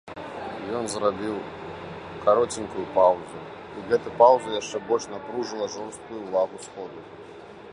Ён зрабіў кароценькую паўзу, і гэтая паўза яшчэ больш напружыла жорсткую ўвагу сходу.